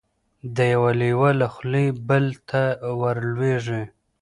د یوه لېوه له خولې بل ته ور لوېږي